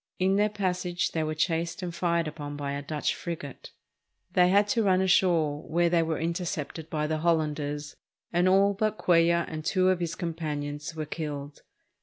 In their passage they were chased and fired upon by a Dutch frigate. They had to run ashore, where they were intercepted by the Hollanders, and all but Cuellar and two of his companions were killed.